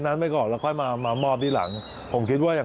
จะรับผิดชอบกับความเสียหายที่เกิดขึ้น